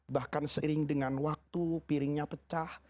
bahkan seiring dengan waktu piringnya pecah